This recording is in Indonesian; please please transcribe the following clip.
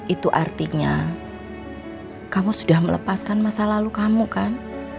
itu artinya kamu sudah melepaskan masa lalu kamu kan